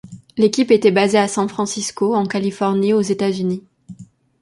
L'équipe était basée à San Francisco en Californie aux États-Unis.